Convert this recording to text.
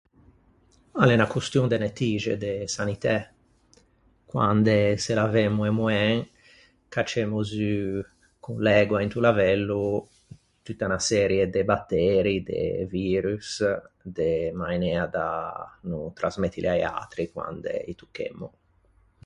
A l’é unna costion de nettixe, de sanitæ: quande se lavemmo e moen, caccemmo zu con l’ægua into lavello tutta unna serie de batteri, de virus, de mainea da no trasmettili a-i atri quande î tocchemmo.